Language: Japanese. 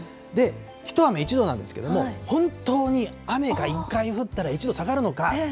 一雨一度なんですけれども、本当に雨が１回降ったら１度下がるのか。